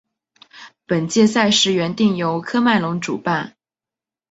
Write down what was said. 本届赛事原定由喀麦隆主办。